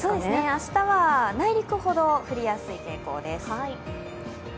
明日は内陸ほど降りやすい傾向です。